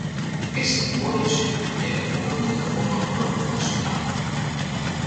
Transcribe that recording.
Aquesta coalició era coneguda com a Front Nacional.